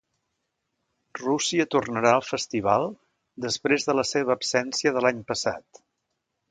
Rússia tornarà al festival després de la seva absència de l'any passat.